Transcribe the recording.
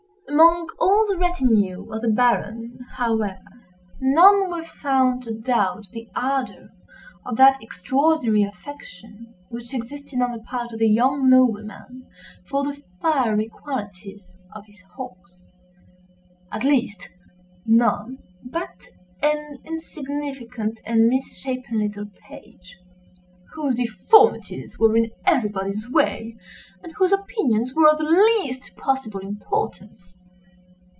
Among all the retinue of the Baron, however, none were found to doubt the ardor of that extraordinary affection which existed on the part of the young nobleman for the fiery qualities of his horse; at least, none but an insignificant and misshapen little page, whose deformities were in everybody's way, and whose opinions were of the least possible importance.